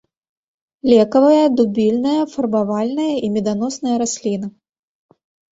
Лекавая, дубільная, фарбавальная і меданосная расліна.